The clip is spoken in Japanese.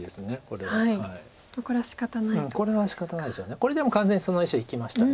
これでも完全にその石は生きました。